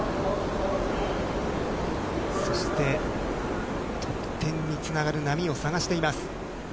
そして得点につながる波を探しています。